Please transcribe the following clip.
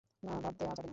না, বাদ দেয়া যাবে না।